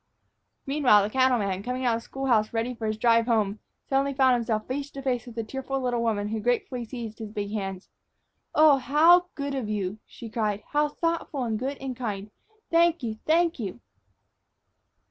Meanwhile the cattleman, coming out of the school house ready for his drive home, suddenly found himself face to face with a tearful little woman who gratefully seized his big hands. "Oh, how good of you!" she cried; "how thoughtful and good and kind! Thank you! thank you!"